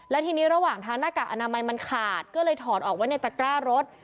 และทีนี้ระหว่างทางหน้ากากอนามัยมันขาดก็เลยถอดออกไว้ในตะกร้ารถ